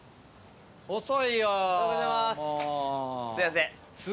おはようございます。